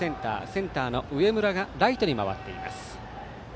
センターの上村がライトに回っています。